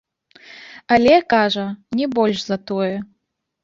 Але, кажа, не больш за тое.